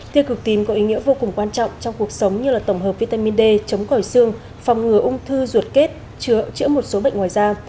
tia cực tím có ý nghĩa vô cùng quan trọng trong cuộc sống như tổng hợp vitamin d chống khỏi sương phòng ngừa ung thư ruột kết chữa một số bệnh ngoài da